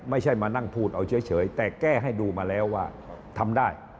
ไม่ใช่มานั่งพูดเอาเฉยแต่แก้ให้ดูมาแล้วว่าทำได้